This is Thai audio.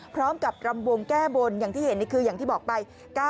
พร้อมกับรำวงแก้บนยังที่เห็นอย่างที่บอกไป